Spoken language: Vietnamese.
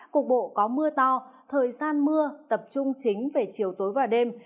cục bộ có mưa to thời gian mưa tập trung chính về chiều tối và đêm